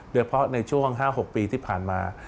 ด้วยเพราะในช่วง๕๖ปีที่ผ่านมา